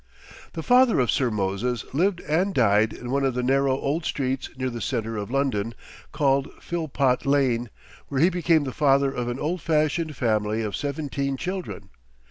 The father of Sir Moses lived and died in one of the narrow old streets near the centre of London called Philpot Lane, where he became the father of an old fashioned family of seventeen children.